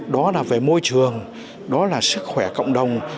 đó là về môi trường đó là sức khỏe cộng đồng